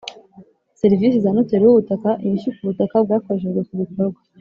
Serivisi za noteri w ubutaka inyishyu ku butaka bwakoreshejwe ku bikorwa